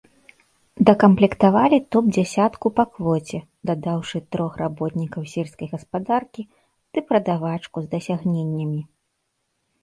Дакамплектавалі топ-дзясятку па квоце, дадаўшы трох работнікаў сельскай гаспадаркі ды прадавачку з дасягненнямі.